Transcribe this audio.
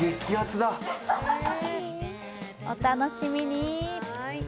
お楽しみに。